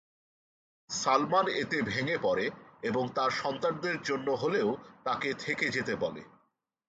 সালমান এতে ভেঙ্গে পড়ে এবং তার সন্তানদের জন্য হলেও তাকে থেকে যেতে বলে।